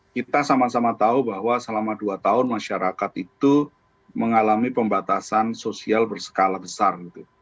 kita sama sama tahu bahwa selama dua tahun masyarakat itu mengalami pembatasan sosial berskala besar